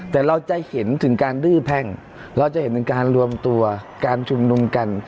แต่เราจะเห็นถึงการดื้อแพ่งเราจะเห็นถึงการรวมตัวการชุมนุมกัน